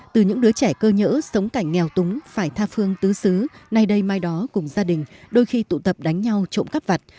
từ những đứa trẻ cơ nhỡ sống cảnh nghèo túng phải tha phương tứ xứ nay đây mai đó cùng gia đình đôi khi tụ tập đánh nhau trộm cắp vặt